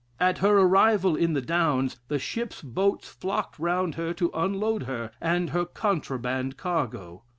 "At her arrival in the Downs, the ships' boats flocked round her to unload her and her contraband cargo.